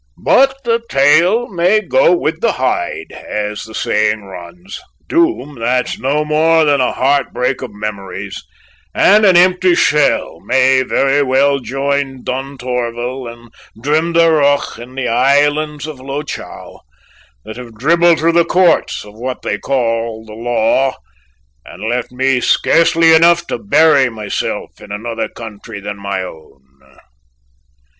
But the tail may go with the hide, as the saying runs. Doom, that's no more than a heart break of memories and an' empty shell, may very well join Duntorvil and Drimdarroch and the Islands of Lochow, that have dribbled through the courts of what they call the law and left me scarcely enough to bury myself in another country than my own."